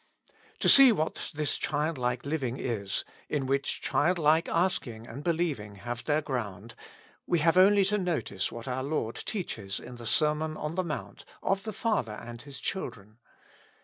To see what this childlike living is, in which child like asking and believing have their ground, we have only to notice what our Lord teaches in the Sermon on the Mount of the Father and His children.